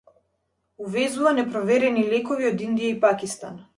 Увезува непроверени лекови од Индија и Пакистан